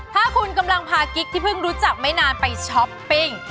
ถ้าคุณกำลังพากิ๊กที่เพิ่งรู้จักไม่นานไปช้อปปิ้ง